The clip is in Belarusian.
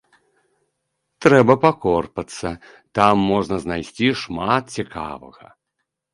Трэба пакорпацца, там можна знайсці шмат цікавага.